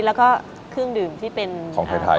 แล้วก็เครื่องดื่มที่เป็นของไทย